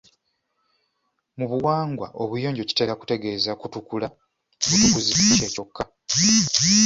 Mu buwangwa, obuyonjo kitera kutegeeza kutukula butukuzi kye kyokka.